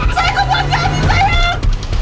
saya ke raja sayang